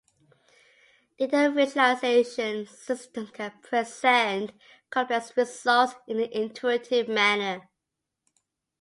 Data visualization systems can present complex results in an intuitive manner.